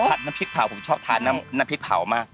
น้ำพริกเผาผมชอบทานน้ำพริกเผามาก